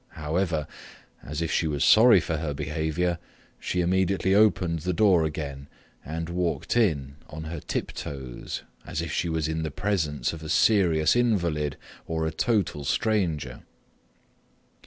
However, as if she was sorry for her behaviour, she immediately opened the door again and walked in on her tiptoes, as if she was in the presence of a serious invalid or a total stranger.